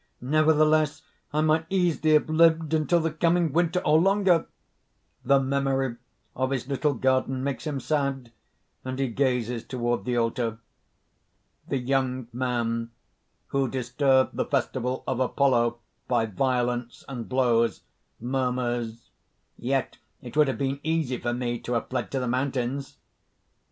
Nevertheless, I might easily have lived until the coming winter, or longer!" (The memory of his little garden makes him sad, and he gazes toward the altar.) THE YOUNG MAN (who disturbed the festival of Apollo by violence and blows, murmurs: ) "Yet it would have been easy for me to have fled to the mountains!"